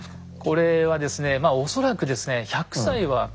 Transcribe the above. これはですねまあ恐らくですね